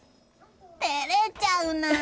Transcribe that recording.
照れちゃうな！